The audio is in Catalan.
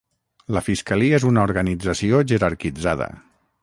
La fiscalia és una organització jerarquitzada.